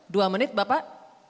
dua menit bapak